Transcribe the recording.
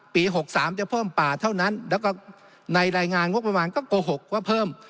๖๓จะเพิ่มป่าเท่านั้นแล้วก็ในรายงานงบประมาณก็โกหกว่าเพิ่ม